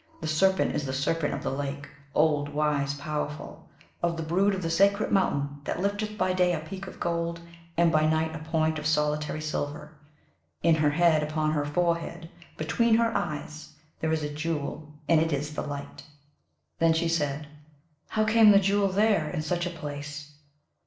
the serpent is the Serpent of the Lake; old, wise, powerful; of the brood of the sacred mountain, that lifteth by day a peak of gold, and by night a point of solitary silver. In her head, upon her forehead, between her eyes, there is a Jewel, and it is this light.' Then she said, 'How came the Jewel there, in such a place?'